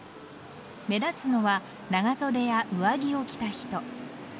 目立つのは長袖や上着を着た人。